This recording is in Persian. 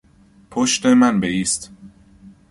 پشت من بایست.